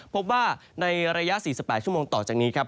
พบว่าในระยะ๔๘ชั่วโมงต่อจากนี้ครับ